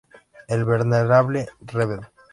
El Venerable Rvdo.